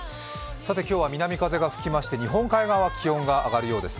さて、今日は南風が吹きまして日本海側は気温が上がるようです。